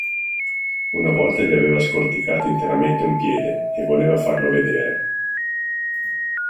Una volta gli aveva scorticato interamente un piede, e voleva farlo vedere.